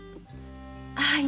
はい。